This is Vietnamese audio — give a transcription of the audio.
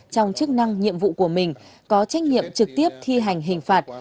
trong chức năng nhiệm vụ của mình có trách nhiệm trực tiếp thi hành hình phạt